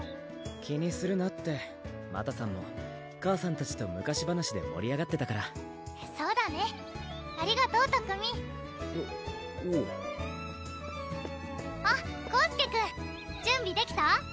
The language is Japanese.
気にするなって又さんも母さんたちと昔話でもり上がってたからそうだねありがとう拓海おおうあっ宏輔くん準備できた？